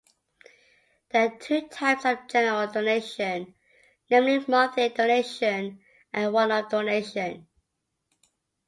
There are two types of general donation, namely monthly donation and one-off donation.